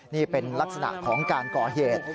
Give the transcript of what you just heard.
นี่เป็นลักษณะของการก่อเหตุ